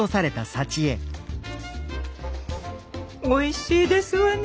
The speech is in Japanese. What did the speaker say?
おいしいですわね